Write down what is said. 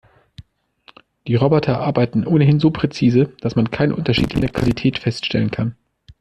Die Roboter arbeiten ohnehin so präzise, dass man keinen Unterschied in der Qualität feststellen kann.